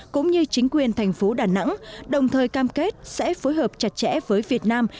cũng như chính quyền thành phố đà nẵng đồng thời cam kết sẽ phối hợp chặt chẽ với việt nam